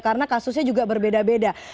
karena kasusnya juga berbeda beda